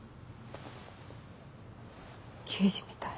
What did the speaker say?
刑事みたい。